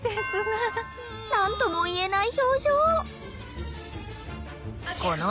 なんともいえない表情。